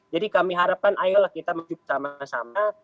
jadi kami harapkan ayolah kita menuju sama sama